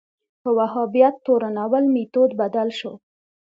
په وهابیت تورنول میتود بدل شو